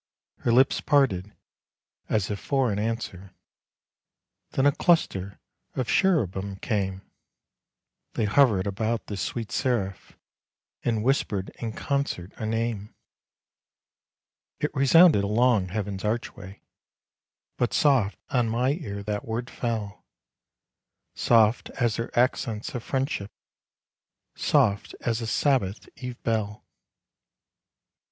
Her lips parted, as if for an answer Then a cluster of cherubim, came They hovered about this sweet seraph, And whispered in concert a name. It resounded along Heaven's archway, But soft on my ear that word fell, Soft as her accents of friendship, Soft as a Sabbath eve bell.